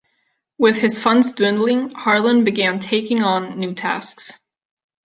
With his funds dwindling, Harlan began taking on new tasks.